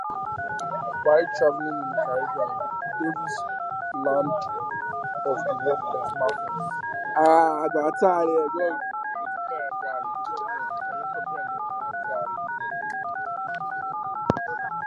While traveling in the Caribbean, Davis learned of the work of Marcus Garvey.